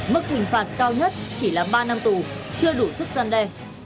mức hình phạt cao nhất chỉ là ba năm tù chưa đủ sức gian đe